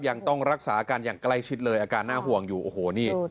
ยังต้องรักษาอาการอย่างใกล้ชิดเลยอาการน่าห่วงอยู่โอ้โหนี่